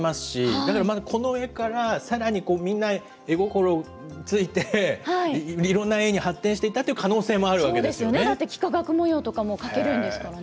だからこの絵からさらにみんな絵心ついて、いろんな絵に発展していったという可能性もあるわけでそうですよね、だって、幾何学模様だって描けるんですからね。